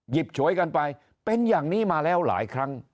ฉวยกันไปเป็นอย่างนี้มาแล้วหลายครั้ง